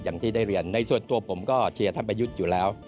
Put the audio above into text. อย่างที่ได้เรียนในส่วนตัวผมก็เชียร์ท่านประยุทธ์อยู่แล้ว